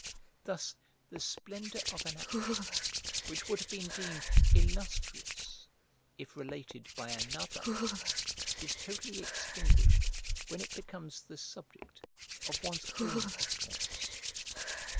Thus, the splendour of an action which would have been deemed illustrious if related by another is totally extinguished when it becomes the subject of one's own applause.